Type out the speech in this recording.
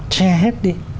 che hết đi